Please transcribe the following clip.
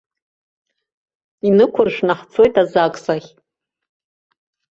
Инықәыршәны ҳцоит азагс ахь.